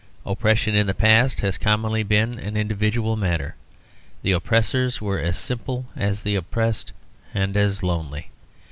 Oppression in the past, has commonly been an individual matter. The oppressors were as simple as the oppressed, and as lonely.